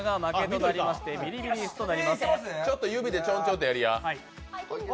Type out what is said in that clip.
ちょっと指でちょんちょんとやりや。